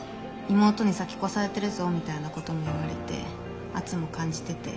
「妹に先越されてるぞ」みたいなことも言われて圧も感じてて。